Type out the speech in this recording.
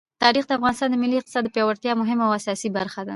تاریخ د افغانستان د ملي اقتصاد د پیاوړتیا یوه مهمه او اساسي برخه ده.